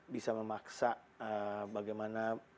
bisa memaksa bagaimana